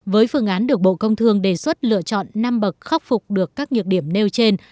với phương án được bộ công thương đề xuất lựa chọn năm bậc khắc phục được các nhược điểm nêu trên